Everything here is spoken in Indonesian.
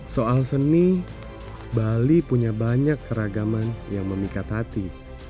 soal seni bali punya banyak keragaman yang memikat hati